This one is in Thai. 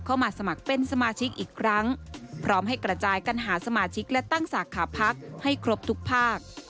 การหาสมาชิกและตั้งสาขาพักให้ครบทุกภาค